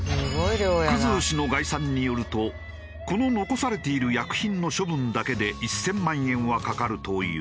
生氏の概算によるとこの残されている薬品の処分だけで１０００万円はかかるという。